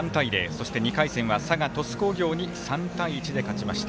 そして２回戦は佐賀、鳥栖工業に３対１で勝ちました。